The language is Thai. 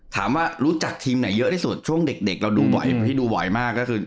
แต่ว่ารู้จักทีมไหนเยอะอกดดึงช่วงช่วงเด็กเราดูบ่อยมาก